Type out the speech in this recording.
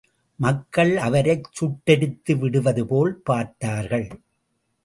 மக்கள் அவரைச் சுட்டெரித்து விடுவது போல் பார்த்தார்கள்.